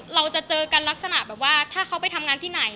เราจะเจอกันลักษณะแบบว่าถ้าเขาไปทำงานที่ไหน